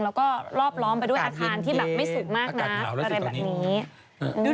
แล้วก็รอบล้อมไปด้วยอาคารที่แบบไม่สุดมากนะประเด็นแบบนี้